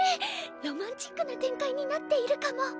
ロマンチックな展開になっているかも。